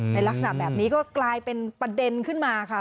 ลักษณะแบบนี้ก็กลายเป็นประเด็นขึ้นมาค่ะ